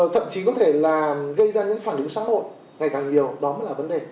thậm chí có thể là gây ra những phản ứng xã hội ngày càng nhiều đó mới là vấn đề